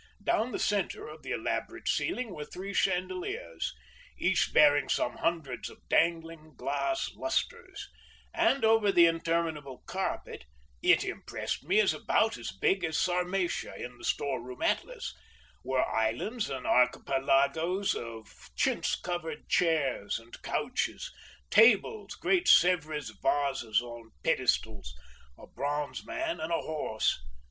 Down the centre of the elaborate ceiling were three chandeliers, each bearing some hundreds of dangling glass lustres, and over the interminable carpet—it impressed me as about as big as Sarmatia in the store room Atlas—were islands and archipelagoes of chintz covered chairs and couches, tables, great Sevres vases on pedestals, a bronze man and horse.